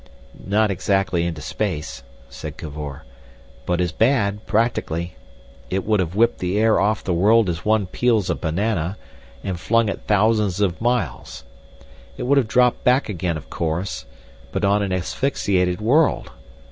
"Not exactly into space," said Cavor, "but as bad—practically. It would have whipped the air off the world as one peels a banana, and flung it thousands of miles. It would have dropped back again, of course—but on an asphyxiated world!